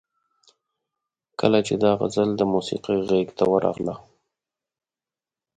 کله چې دا غزل د موسیقۍ غیږ ته ورغله.